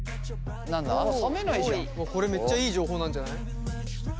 これめっちゃいい情報なんじゃない？